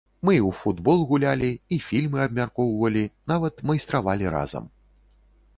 Мы і ў футбол гулялі, і фільмы абмяркоўвалі, нават майстравалі разам.